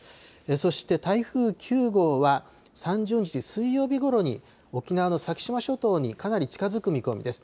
そして台風９号は３０日水曜日ごろに、沖縄の先島諸島にかなり近づく見込みです。